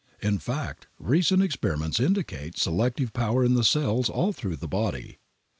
In fact recent experiments indicate selective power in the cells all through the body.